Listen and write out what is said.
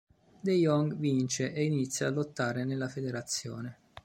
De Jong vince e inizia a lottare nella federazione.